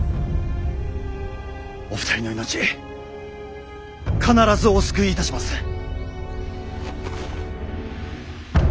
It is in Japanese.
お二人の命必ずお救いいたします。